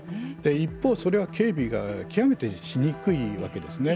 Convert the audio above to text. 一方、それは警備が極めてしにくいわけですね。